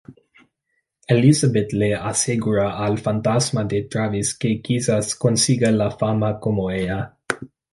Elizabeth le asegura al fantasma de Travis que quizás consiga la fama como ella.